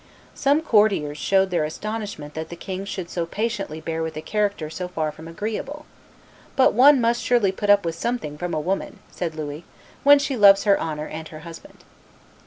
Some courtiers showed their astonishment that the king should so patiently bear with a character so far from agreeable; but "one must surely put up with something from a woman," said Louis, "when she loves her honor and her husband."